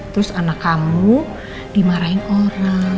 terus anak kamu dimarahin orang